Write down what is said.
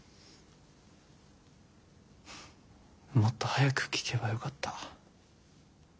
もっと早く聞けばよかった。